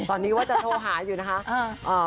ตอนนี้ว่าจะโทรหาอยู่นะคะ